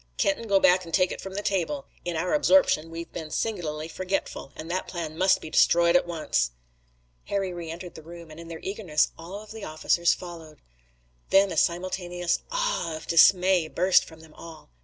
"Kenton, go back and take it from the table. In our absorption we've been singularly forgetful, and that plan must be destroyed at once." Harry reentered the room, and in their eagerness all of the officers followed. Then a simultaneous "Ah!" of dismay burst from them all.